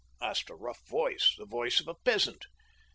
" asked a rough voice, the voice of a peasant.